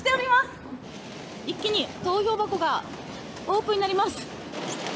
「一気に投票箱がオープンになります」。